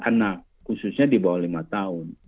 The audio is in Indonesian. karena khususnya di bawah lima tahun